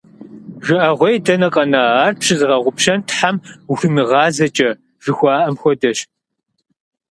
ЖыӀэгъуей дэнэ къэна, ар пщызыгъэгъупщэн Тхьэм ухуимыгъазэкӀэ жыхуаӀэм хуэдэщ.